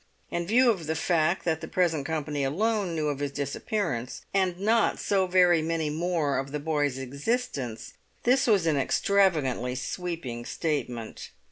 In view of the fact that the present company alone knew of his disappearance, and not so very many more of the boy's existence, this was an extravagantly sweeping statement.